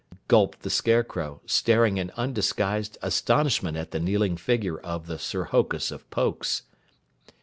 gulped the Scarecrow, staring in undisguised astonishment at the kneeling figure of the Sir Hokus of Pokes.